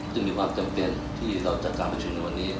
จึงมีความจำเป็นที่เราจัดการประชุมในวันนี้